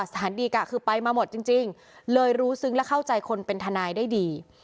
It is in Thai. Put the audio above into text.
สถานดีกะคือไปมาหมดจริงเลยรู้ซึ้งและเข้าใจคนเป็นทนายได้ดี